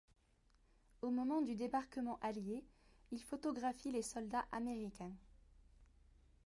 Au moment du débarquement allier, il photographie les soldats américains.